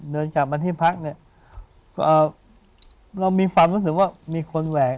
เดินกลับมาที่พักเนี่ยเรามีความรู้สึกว่ามีคนแหวก